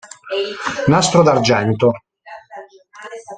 Nastro d'argento